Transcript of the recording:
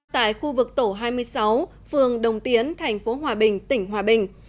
tại khu vực tổ hai mươi sáu phường đồng tiến thành phố hòa bình tỉnh hòa bình